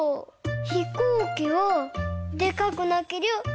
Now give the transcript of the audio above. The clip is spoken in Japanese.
ひこうきはでかくなけりゃ